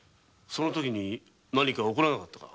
その時何か起こらなかったか？